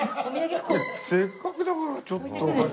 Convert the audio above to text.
せっかくだからちょっと。